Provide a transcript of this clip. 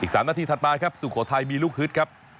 ๓นาทีถัดมาครับสุโขทัยมีลูกฮึดครับ